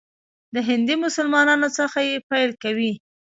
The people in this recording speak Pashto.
د هندي مسلمانانو څخه یې پیل کوي.